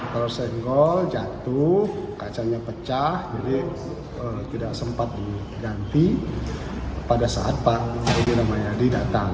kalau senggol jatuh kacanya pecah jadi tidak sempat diganti pada saat pak edi ramayadi datang